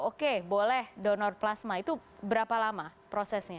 oke boleh donor plasma itu berapa lama prosesnya